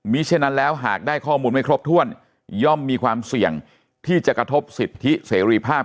มีฉะนั้นแล้วหากได้ข้อมูลไม่ครบถ้วนย่อมมีความเสี่ยงที่จะกระทบสิทธิเสรีภาพ